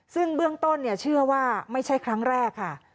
ซึ่งเบื้องต้นเชื่อว่าไม่ใช่ครั้งแรกค่ะ